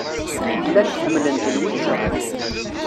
Llant ḥemmlent Lwiza.